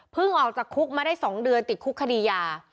ออกจากคุกมาได้๒เดือนติดคุกคดียา